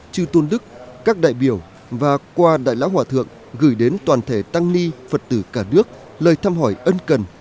chư tôn đức các đại biểu và qua đại lão hòa thượng gửi đến toàn thể tăng ni phật tử cả nước lời thăm hỏi ân cần